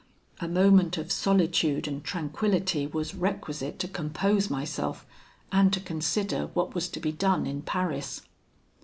A moment of solitude and tranquillity was requisite to compose myself, and to consider what was to be done in Paris.